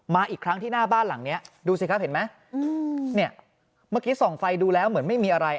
อีกครั้งที่หน้าบ้านหลังนี้ดูสิครับเห็นไหมเนี่ยเมื่อกี้ส่องไฟดูแล้วเหมือนไม่มีอะไร